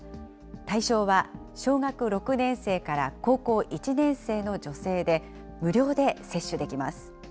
対象は小学６年生から高校１年生の女性で、無料で接種できます。